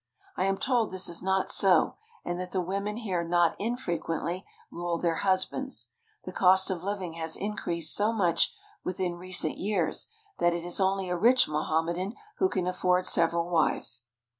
I am told this is not so, and that the women here not infrequently rule their husbands. The cost of living has increased so much within recent years that it is only a rich Mohammedan who can afford several wives.